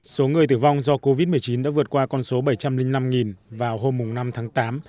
số người tử vong do covid một mươi chín đã vượt qua con số bảy trăm linh năm vào hôm năm tháng tám